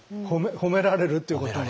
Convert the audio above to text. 褒められるっていうことが。